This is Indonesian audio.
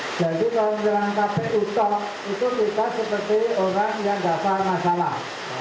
jadi kalau menyerang kpu toko itu kita seperti orang yang dapat masalah